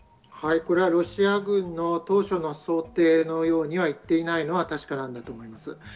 これはロシア軍の当初の想定のようには行っていないのは確かなんだと思います。